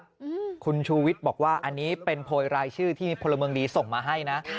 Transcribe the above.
อืมคุณชูวิทย์บอกว่าอันนี้เป็นโพยรายชื่อที่พลเมืองดีส่งมาให้นะ